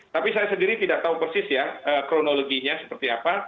tapi saya sendiri tidak tahu persis ya kronologinya seperti apa